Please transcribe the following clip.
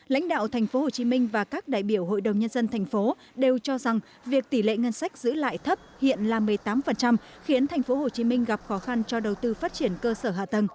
lãnh đạo tp hcm và các đại biểu hội đồng nhân dân tp hcm đều cho rằng việc tỷ lệ ngân sách giữ lại thấp hiện là một mươi tám khiến tp hcm gặp khó khăn cho đầu tư phát triển cơ sở hạ tầng